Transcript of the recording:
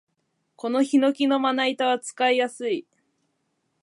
このヒノキのまな板は使いやすい